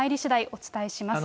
お伝えします。